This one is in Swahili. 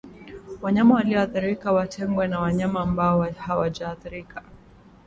Wanyama walioathirika watengwe na wanyama ambao hawajaathirika